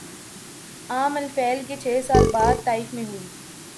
عام الفیل کے چھ سال بعد طائف میں ہوئی